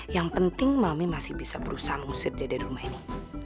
yang penting mami masih bisa berusaha mengusir dia dari rumah ini